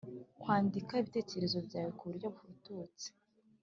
Kwandika ibitekerezo byawe ku buryo bufututse